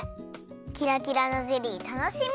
キラキラのゼリーたのしみ！